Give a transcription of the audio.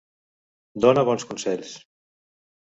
Dona bons consells.